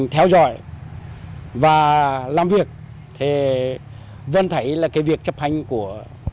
theo dõi và làm việc vẫn thấy việc chấp hành của